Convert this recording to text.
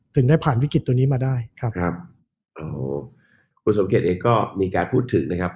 ถึงได้ผ่านวิกฤตตัวนี้มาได้ครับครับโอ้คุณสมเกียจเองก็มีการพูดถึงนะครับ